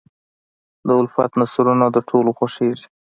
د الفت نثرونه د ټولو خوښېږي.